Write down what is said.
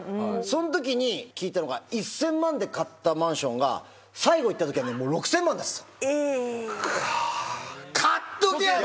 そんときに聞いたのが１，０００万で買ったマンションが最後行ったときはもう６，０００万になってたの。か。